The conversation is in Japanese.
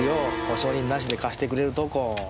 保証人なしで貸してくれるとこ。